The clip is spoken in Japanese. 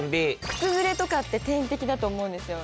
靴擦れとかって天敵だと思うんですよ。